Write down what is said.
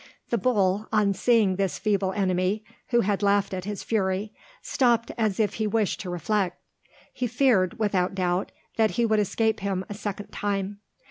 The bull, on seeing this feeble enemy, who had laughed at his fury, stopped as if he wished to reflect. He feared, without doubt, that he would escape him a second time.